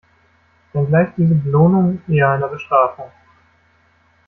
Dann gleicht diese Belohnung eher einer Bestrafung.